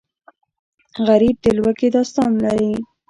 غریب د لوږې داستان لري